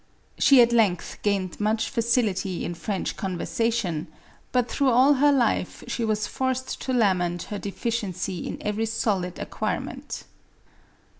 She at length gained much facility in French conversation ; but, through all her life she was forced to lament her deficiency in every solid acquire ment.